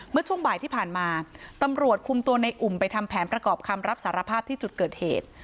เมื่อช่วงบ่ายที่ผ่านมาตำรวจคุมตัวในอุ่มไปทำแผนประกอบคำรับสารภาพที่จุดเกิดเหตุ